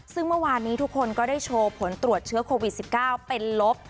ซึ่งเมื่อวานนี้ทุกคนก็ได้โชว์ผลตรวจเชื้อโควิด๑๙เป็นลบ